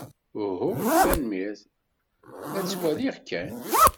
Uhu, tanemmirt. La ttwaliɣ kan.